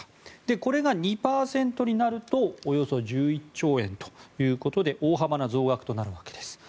これが２％になるとおよそ１１兆円ということで大幅な増額となるわけです。